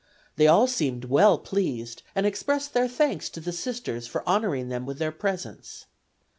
They all seemed well pleased, and expressed their thanks to the Sisters for honoring them with their presence.